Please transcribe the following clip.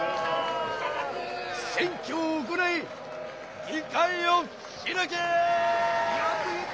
選挙を行い議会を開け！